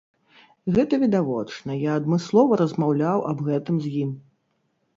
Гэта відавочна, я адмыслова размаўляў аб гэтым з ім.